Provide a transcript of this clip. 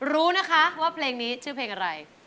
รู้นะคะว่าเพลงนี้ชื่อเพลงอะไร